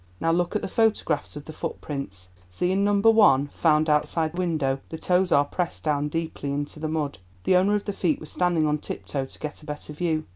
Now look at the photographs of the footprints. See in No. 1, found outside the window, the toes are pressed down deeply into the mud. The owner of the feet was standing on tip toe to get a better view.